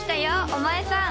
お前さん